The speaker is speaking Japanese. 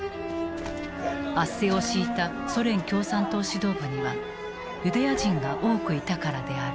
圧政を敷いたソ連共産党指導部にはユダヤ人が多くいたからである。